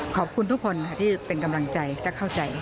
ขอบคุณทุกคนค่ะที่เป็นกำลังใจและเข้าใจ